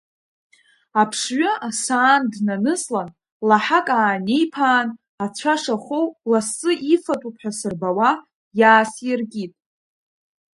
Аԥшҩы асаан днаныслан, лаҳак ааниԥаан, ацәа шахоу лассы ифатәуп ҳәа сырбауа иаасиркит.